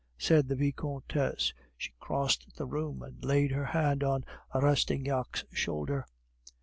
said the Vicomtesse; she crossed the room and laid her hand on Rastignac's shoulder.